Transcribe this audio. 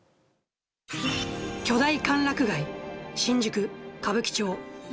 巨大歓楽街、新宿・歌舞伎町。